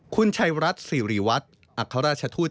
คุณชัยรัฐสิริวัตรอัครราชทูต